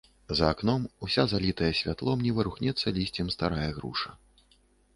За акном уся залітая святлом не зварухнецца лісцем старая груша.